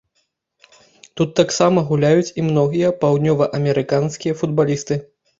Тут таксама гуляюць і многія паўднёваамерыканскія футбалісты.